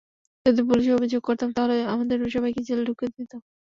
যদি পুলিশে অভিযোগ করতাম তাহলে আমাদের সবাইকে জেলে ঢুকিয়ে দিতো।